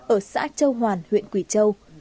ở xã châu hoàn huyện quỳ châu